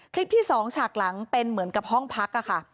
ที่๒ฉากหลังเป็นเหมือนกับห้องพักค่ะ